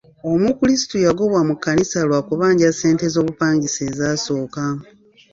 Omukulisitu yagobwa mu kkanisa lwa kubanja ssente z'obupangisa ezasooka.